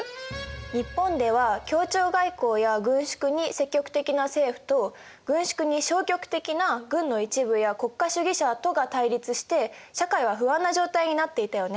日本では協調外交や軍縮に積極的な政府と軍縮に消極的な軍の一部や国家主義者とが対立して社会は不安な状態になっていたよね。